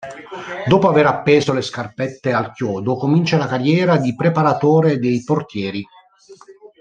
Dopo aver appeso le scarpette al chiodo comincia la carriera di preparatore dei portieri.